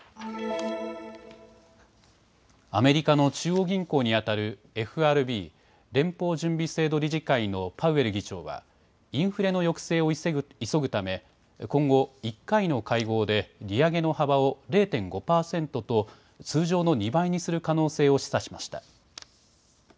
アメリカの中央銀行にあたるＦＲＢ・連邦準備制度理事会のパウエル議長はインフレの抑制を急ぐため今後、１回の会合で利上げの幅を０．５％と通常の２倍にする可能性を示唆しました。